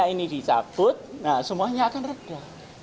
ini dicabut semuanya akan reda